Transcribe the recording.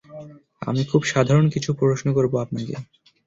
আমি খুব সাধারণ কিছু প্রশ্ন করবো আপনাকে।